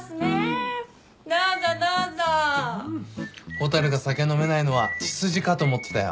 蛍が酒飲めないのは血筋かと思ってたよ。